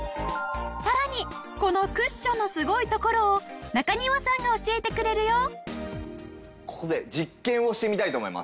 さらにこのクッションのすごいところを中庭さんが教えてくれるよ。